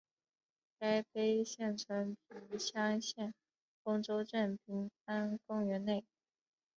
该碑现存平乡县丰州镇平安公园内。